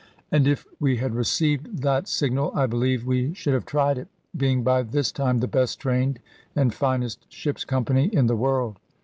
And if we had received that signal, I believe we should have tried it, being by this time the best trained and finest ship's company in the world.